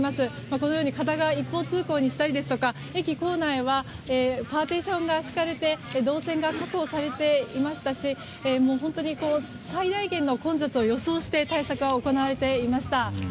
このように片側一方通行にしたりですとか駅構内はパーティションが置かれ動線が確保されていましたし本当に、最大限の混雑を予想して対策は行われていますが。